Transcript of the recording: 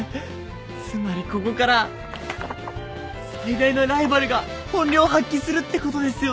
つまりここから最大のライバルが本領を発揮するってことですよね？